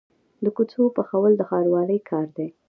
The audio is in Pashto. د کوڅو پخول د ښاروالۍ کار دی